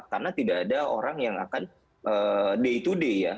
karena tidak ada orang yang akan day to day ya